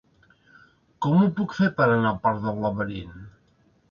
Com ho puc fer per anar al parc del Laberint?